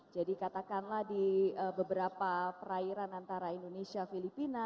jadi katakanlah di beberapa perairan antara indonesia dan filipina